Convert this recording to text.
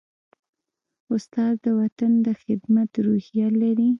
استاد د وطن د خدمت روحیه لري.